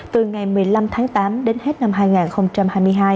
từ ngày một mươi năm tháng tám đến hết năm hai nghìn một mươi chín